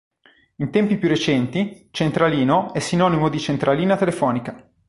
In tempi più recenti, "centralino" è sinonimo di "centralina telefonica".